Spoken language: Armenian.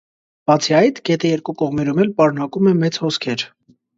Բացի այդ, գետը երկու կողմերում էլ պարունակում է մեծ հոսքեր։